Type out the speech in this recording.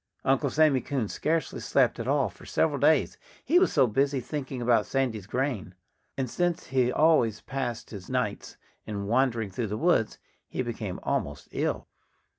Uncle Sammy Coon scarcely slept at all for several days, he was so busy thinking about Sandy's grain. And since he always passed his nights in wandering through the woods, he became almost ill.